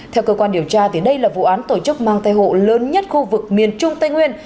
theo cơ quan điều tra đây là vụ án tổ chức mang tay hộ lớn nhất khu vực miền trung tây nguyên